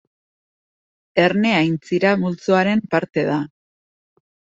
Erne aintzira multzoaren parte da.